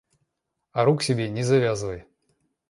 А рук себе не завязывай.